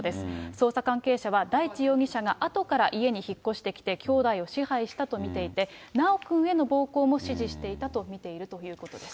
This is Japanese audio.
捜査関係者は、大地容疑者が後から家に引っ越してきて、きょうだいを支配したと見ていて、修くんへの暴行も指示していたと見ているということです。